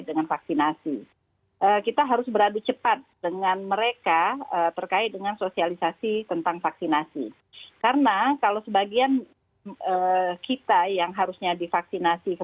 peer peer group kita coba dekati